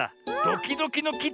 ドキドキのき？